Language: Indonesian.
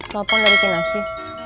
telepon dari kinasi